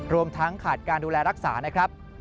รวมทั้งขาดการดูแลรักษานะครับ